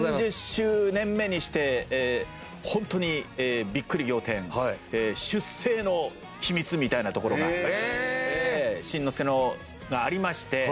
３０周年目にしてホントにビックリ仰天出生の秘密みたいなところがしんのすけのがありまして。